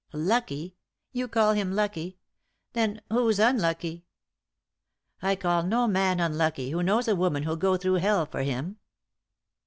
" Lucky 1 You call him lucky 1 Then— who's un lucky ?" "I call no man unlucky who knows a woman who'll go through hell for him."